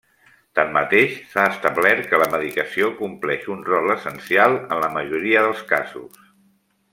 Tanmateix, s'ha establert que la medicació compleix un rol essencial en la majoria dels casos.